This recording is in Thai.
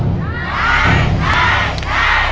ได้